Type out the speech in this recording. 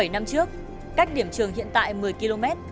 bảy năm trước cách điểm trường hiện tại một mươi km